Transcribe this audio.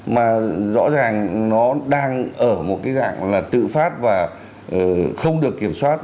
mà rõ ràng nó đang ở một cái dạng là tự phát và không được kiểm soát